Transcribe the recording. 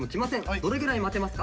どれぐらい待てますか？